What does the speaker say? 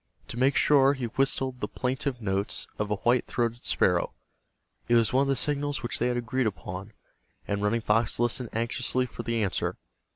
To make sure he whistled the plaintive notes of the white throated sparrow. It was one of the signals which they had agreed upon, and Running Fox listened anxiously for the answer.